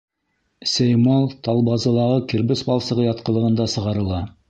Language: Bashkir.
Сеймал Талбазылағы кирбес балсығы ятҡылығында сығарыла.